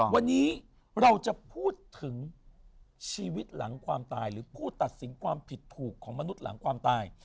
วันนี้เราจะพูดถึงชีวิตหลังความตายหรือผู้ตัดสินความผิดถูกของมนุษย์หลังความตาย